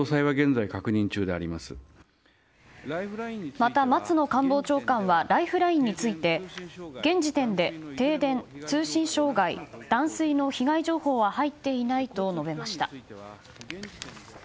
また、松野官房長官はライフラインについて現時点で停電、通信障害、断水の被害情報は入っていないと述べました。